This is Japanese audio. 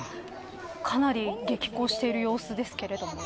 かなり激高している様子ですけど。